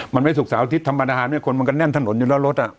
มันไม่สุขเสาร์อาทิตย์ธรรมดาเนี่ยคนมันก็แน่นถนนอยู่แล้วรถอ่ะ